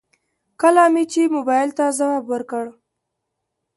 کله مې چې موبايل ته ځواب وکړ.